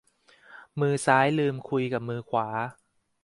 มือซ้ายลืมคุยกับมือขวา